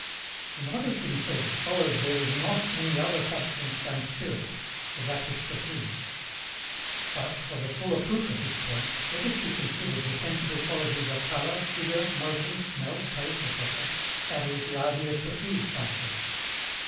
] From what has been said it follows there is NOT ANY OTHER SUBSTANCE THAN SPIRIT, or that which perceives. But, for the fuller proof of this point, let it be considered the sensible qualities are colour, figure, motion, smell, taste, etc., i.e. the ideas perceived by sense.